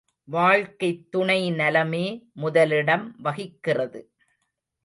வாழ்க்கைத் துணை நலமே முதலிடம் வகிக்கிறது.